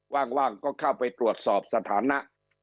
ว่างก็เข้าไปตรวจสอบสถานะ